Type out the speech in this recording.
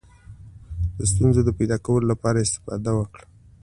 د ستونزو د پیدا کولو لپاره استفاده وکړه.